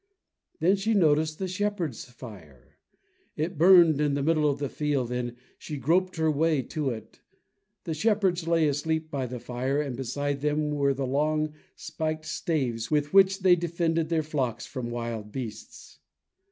Then she noticed the shepherds' fire. It burned in the middle of the field, and she groped her way to it. The shepherds lay asleep by the fire, and beside them were the long, spiked staves with which they defended their flocks from wild beasts.